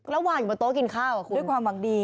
แล้ววางอยู่บนโต๊ะกินข้าวด้วยความหวังดี